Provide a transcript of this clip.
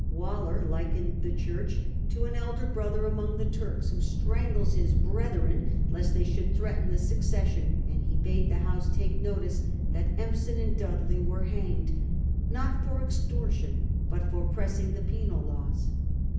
Waller likened the Church to an elder brother among the Turks who strangles his brethren lest they should threaten the succession ; and he bade 1 668. The Skinner Controversy . 169 the House take notice that Empson and Dudley were hanged not for extortion but for pressing the penal laws.